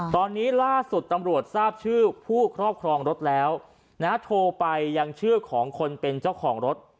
ตอนนี้ล่าสุดตำรวจทราบชื่อผู้ครอบครองรถแล้วโทรไปยังชื่อของคนเป็นเจ้าของรถ